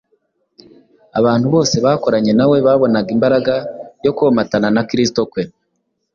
Abantu bose bakoranye nawe babonaga imbaraga yo komatana na Kristo kwe